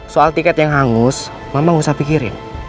soal tiket yang hangus mama nggak usah pikirin